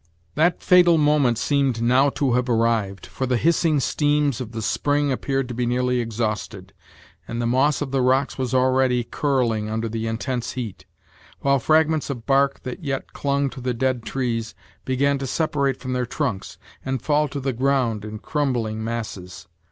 That fatal moment seemed now to have arrived, for the hissing steams of the spring appeared to be nearly exhausted, and the moss of the rocks was already curling under the intense heat, while fragments of bark, that yet clung to the dead trees, began to separate from their trunks, and fall to the ground in crumbling masses.